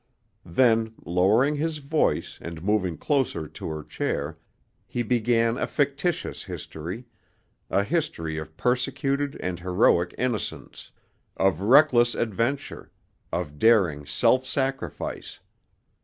Then, lowering his voice and moving closer to her chair, he began a fictitious history, a history of persecuted and heroic innocence, of reckless adventure, of daring self sacrifice.